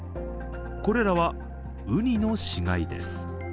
これらは、うにの死骸です。